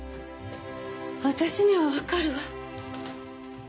私にはわかるわ。